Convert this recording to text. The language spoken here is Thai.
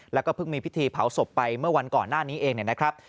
แล้วก็เพิ่งมีพิธีเผาศพไปเมื่อวันก่อนหน้านี้เองนะครับ